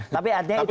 tapi artinya itu